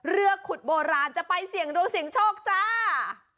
เรือขุดโบราณจะไปเสี่ยงดวงเสี่ยงโชคจ้า